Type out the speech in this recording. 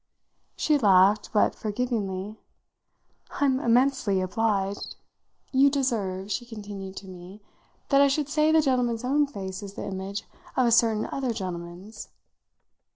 She laughed, but forgivingly. "I'm immensely obliged. You deserve," she continued to me, "that I should say the gentleman's own face is the image of a certain other gentleman's."